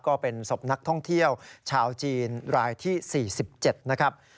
ก็เป็นศพนักท่องเที่ยวชาวจีนรายที่๔๗นะครับ